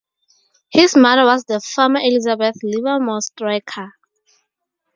His mother was the former Elizabeth Livermore Straker.